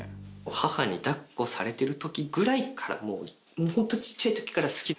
母にだっこされてるときぐらいから、もう、本当に小っちゃいときから好き。